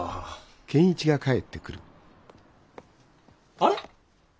あれ？